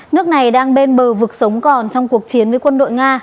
nước này đang bên bờ vực sống còn trong cuộc chiến với quân đội nga